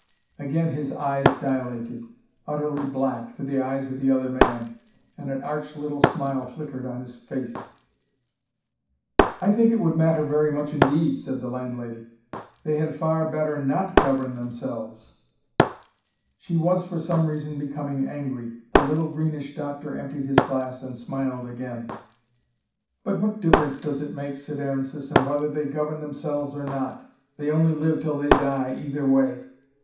Again his eyes dilated, utterly black, to the eyes of the other man, and an arch little smile flickered on his face. "I think it would matter very much indeed," said the landlady. "They had far better NOT govern themselves." She was, for some reason, becoming angry. The little greenish doctor emptied his glass, and smiled again. "But what difference does it make," said Aaron Sisson, "whether they govern themselves or not? They only live till they die, either way."